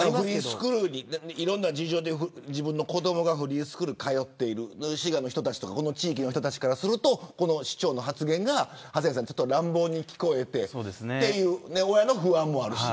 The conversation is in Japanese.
いろんな事情で自分の子どもがフリースクールに通ってる滋賀の人たちとかこの地域の人たちからするとこの市長の発言が乱暴に聞こえるという親の不安もある。